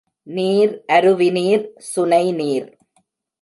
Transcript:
நீர், அருவிநீர், சுனைநீர்.